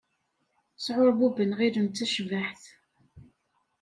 Sɛurbuben, ɣillen d tacbaḥt.